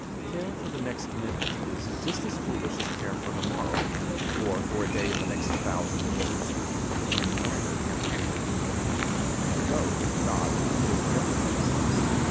Care for the next minute is just as foolish as care for the morrow, or for a day in the next thousand years in neither can we do anything, in both God is doing everything.